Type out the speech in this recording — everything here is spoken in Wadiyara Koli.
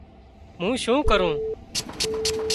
مون شُون ڪرون